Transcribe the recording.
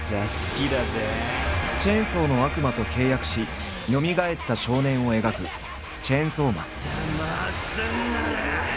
チェンソーの悪魔と契約しよみがえった少年を描く「チェンソーマン」。